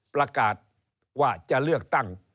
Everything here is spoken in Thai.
ประกาศว่าจะเลือกตั้ง